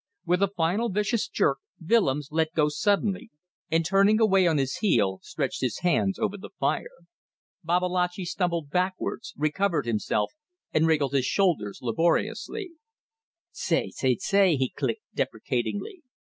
With a final vicious jerk Willems let go suddenly, and turning away on his heel stretched his hands over the fire. Babalatchi stumbled backwards, recovered himself, and wriggled his shoulders laboriously. "Tse! Tse! Tse!" he clicked, deprecatingly.